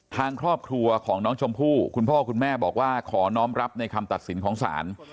ทางครอบครัวของน้องชมพู่คุณพ่อคุณแม่บอกว่าขอน้องรับในคำตัดสินของศาล